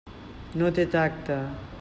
No té tacte.